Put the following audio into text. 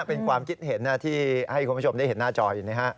เป็นความคิดเห็นที่ให้คุณผู้ชมได้เห็นหน้าจออยู่นะฮะ